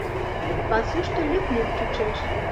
Пасушто лӱп-лӱп чучеш.